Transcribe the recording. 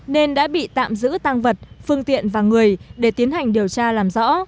nên đã bị tạm giữ tăng vật phương tiện và người để tiến hành điều tra làm rõ